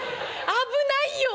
危ないよ。